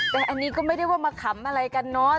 แต่อันนี้ก็ไม่ได้ว่ามาขำอะไรกันเนอะ